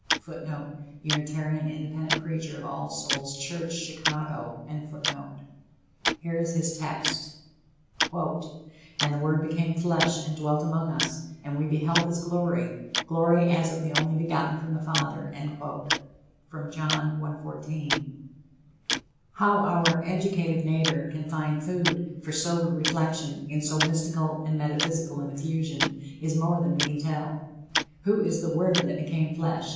[Footnote: Unitarian Independent preacher of All Souls Church, Chicago.] Here is his text: "And the Word became flesh and dwelt among us, and we beheld his glory, glory as of the only begotten from the Father." John 1:14. How our educated neighbor can find food for sober reflection in so mystical and metaphysical an effusion, is more than we can tell. Who is the Word that became flesh?